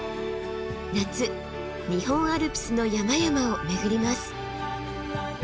夏日本アルプスの山々を巡ります。